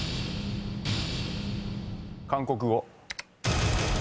韓国語。